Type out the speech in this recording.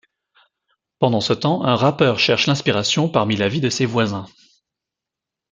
Pendant ce temps, un rappeur cherche l'inspiration parmi la vie de ses voisins.